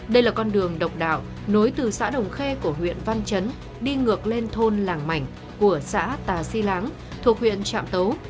đây là con đường độc đạo nối từ xã đồng khê của huyện văn chấn đi ngược lên thôn làng mảnh của xã tà si láng thuộc huyện trạm tấu